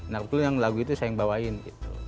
nah itu yang lagu itu saya bawain gitu